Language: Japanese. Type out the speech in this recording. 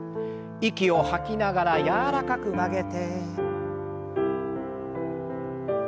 息を吐きながら柔らかく曲げて。